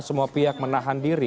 semua pihak menahan diri